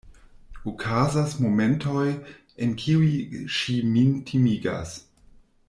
Okazas momentoj, en kiuj ŝi min timigas.